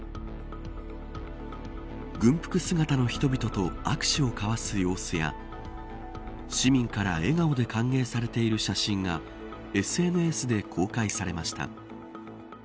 軍服姿の人々と握手を交わす様子や市民から笑顔で歓迎されている写真がＳＮＳで公開されました。